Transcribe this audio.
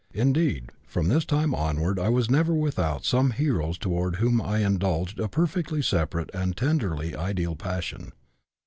Indeed, from this time onward I was never without some heroes toward whom I indulged a perfectly separate and tenderly ideal passion.